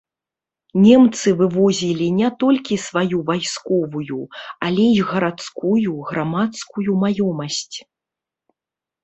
Немцы вывозілі не толькі сваю вайсковую, але і гарадскую, грамадскую маёмасць.